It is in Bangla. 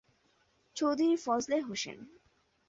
চৌধুরী ফজলে হোসেন।